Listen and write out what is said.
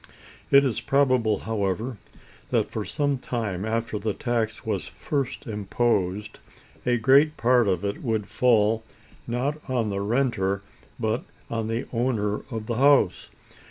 It is probable, however, that for some time after the tax was first imposed, a great part of it would fall, not on the renter, but on the owner of the house.